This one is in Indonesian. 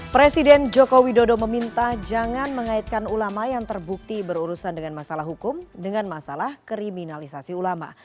presiden joko widodo meminta jangan mengaitkan ulama yang terbukti berurusan dengan masalah hukum dengan masalah kriminalisasi ulama